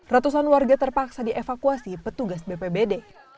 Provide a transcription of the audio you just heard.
ratusan warga terpaksa dievakuasi petugas bpbd